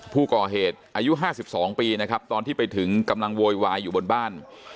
ผู้ก่อเหตุอายุ๕๒ปีนะครับตอนที่ไปถึงกำลังโวยวายอยู่บนบ้าน